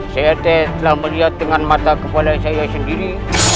saya telah melihat dengan mata kepala saya sendiri